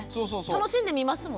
楽しんで見ますもんね。